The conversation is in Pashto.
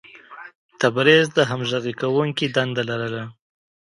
تبریز د همغږي کوونکي دنده لرله.